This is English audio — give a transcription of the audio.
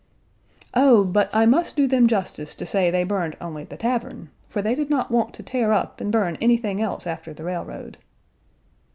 "Oh! But I must do them justice to say they burned only the tavern, for they did not want to tear up and burn anything else after the railroad."